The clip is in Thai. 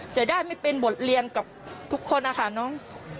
จะได้ไม่เป็นบทเรียนกับทุกคนนะคะน้อง